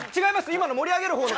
今の盛り上げる方の。